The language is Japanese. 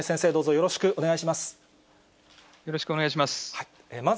よろしくお願いします。